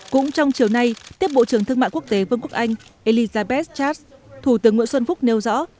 cũng trong chiều nay tiếp bộ trưởng thương mại quốc tế vương quốc anh elizabeth chars thủ tướng nguyễn xuân phúc nêu rõ